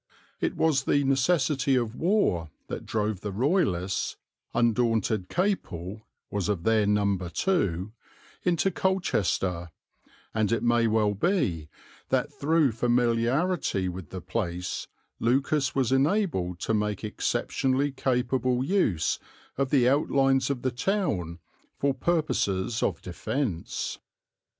It was the necessity of war that drove the Royalists "undaunted Capel" was of their number too into Colchester, and it may well be that through familiarity with the place Lucas was enabled to make exceptionally capable use of the outlines of the town for purposes of defence.